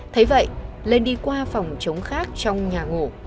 thấy vậy lên đi qua phòng chống khát trong ngôi nhà